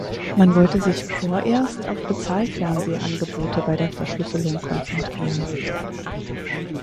Man wollte sich vorerst auf Bezahlfernseh-Angebote bei der Verschlüsselung konzentrieren.